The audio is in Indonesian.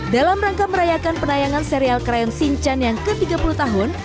dalam rangka merayakan penayangan serial krian sinchan yang ke tiga puluh tahun